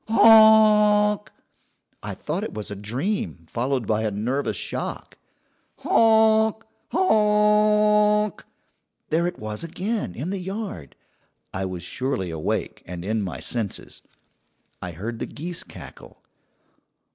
"'Honk!' "I thought it was a dream followed by a nervous shock. "'Honk! honk!' "There it was again, in the yard, I was surely awake and in my senses. "I heard the geese cackle.